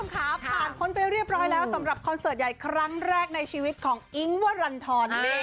ค่ะผ่านพ้นไปเรียบร้อยแล้วสำหรับคอนเสิร์ตใหญ่ครั้งแรกในชีวิตของอิ๊งวรรณฑร